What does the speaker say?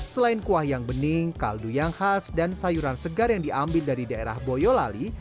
selain kuah yang bening kaldu yang khas dan sayuran segar yang diambil dari daerah boyolali